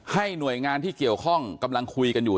หน่วยงานที่เกี่ยวข้องกำลังคุยกันอยู่